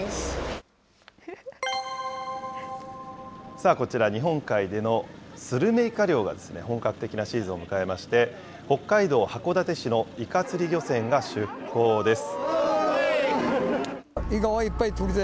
さあ、こちら日本海でのスルメイカ漁が本格的なシーズンを迎えまして、北海道函館市のイカ釣り漁船が出港です。